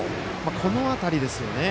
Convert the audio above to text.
この辺りですよね。